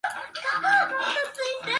東京都府中市